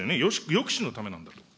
抑止のためなんだと。